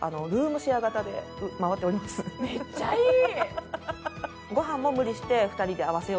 めっちゃいい！